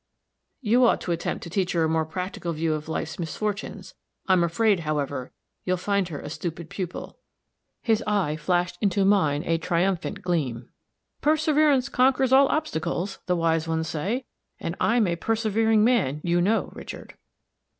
"You ought to attempt to teach her a more practical view of life's misfortunes. I'm afraid, however, you'll find her a stupid pupil." His eye flashed into mine a triumphant gleam. "'Perseverance conquers all obstacles,' the wise ones say; and I'm a persevering man, you know, Richard."